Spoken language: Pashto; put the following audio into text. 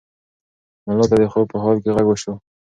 ملا ته د خوب په حال کې غږ وشو.